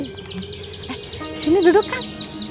eh sini duduk kang